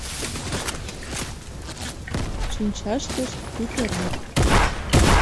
Шинчаштышт — тӱтыра.